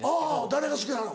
誰が好きなの？